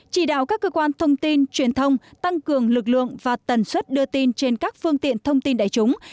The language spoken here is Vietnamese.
chỉ đạo các cơ quan thông tin truyền thông tăng cường lực lượng và tần suất đưa tin trên các phương tiện thông tin đại chúng